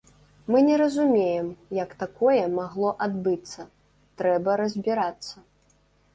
Мы не разумеем, як такое магло адбыцца, трэба разбірацца.